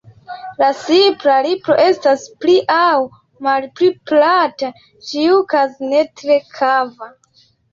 La supra lipo estas pli aŭ malpli plata, ĉiuokaze ne tre kava.